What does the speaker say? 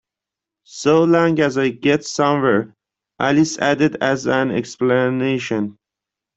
‘—so long as I get somewhere,’ Alice added as an explanation.